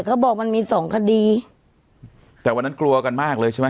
เขาบอกมันมีสองคดีแต่วันนั้นกลัวกันมากเลยใช่ไหม